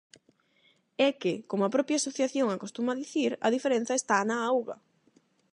É que, como a propia asociación acostuma a dicir "a diferenza está na auga".